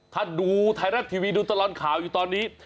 ถ้าดูไทยรัฐทีวีดูตลอดข่าวอยู่ตอนนี้